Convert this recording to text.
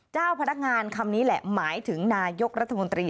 เจ้าพนักงานคำนี้แหละหมายถึงนายกรัฐมนตรี